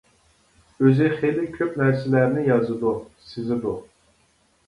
ئۆزى خېلى كۆپ نەرسىلەرنى يازىدۇ، سىزىدۇ.